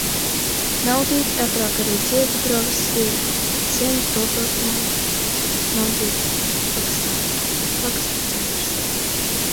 Naudīte, agrāk arī Ziedugravas, ir ciems Dobeles novada Naudītes pagastā, pagasta centrs.